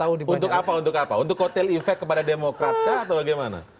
untuk apa untuk hotel effect kepada demokrat atau bagaimana